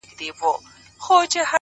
انسان حیوان دی ـ حیوان انسان دی ـ